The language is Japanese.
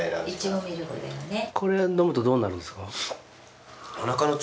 これ飲むとどうなるんですか？